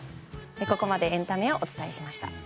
ここまでエンタメをお伝えしました。